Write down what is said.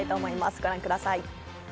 ご覧ください。